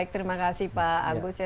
terima kasih pak agus